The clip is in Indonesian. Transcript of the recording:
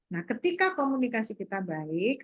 nah ketika komunikasi kita baik